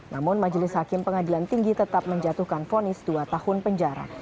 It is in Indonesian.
namun majelis hakim pengadilan tinggi tetap menjatuhkan fonis dua tahun penjara